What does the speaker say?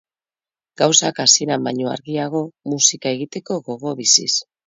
Gauzak hasieran baino argiago, musika egiteko gogo biziz.